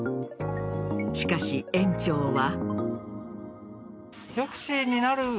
しかし園長は。